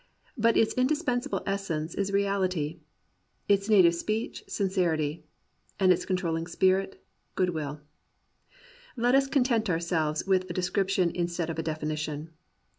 But its indispensable essence is reahty; its native speech, sincerity; and its con troUing spirit, good will. Let us content ourselves with a description in stead of a definition.